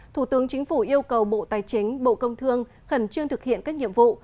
thủ tướng chính phủ yêu cầu bộ tài chính bộ công thương khẩn trương thực hiện các nhiệm vụ